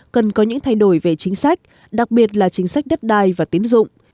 cần có những thay đổi về chính sách đặc biệt là chính sách đất đai và tiến dụng